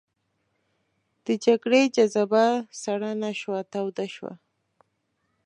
د جګړې جذبه سړه نه شوه توده شوه.